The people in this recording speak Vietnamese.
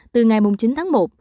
từ ngày chín tháng một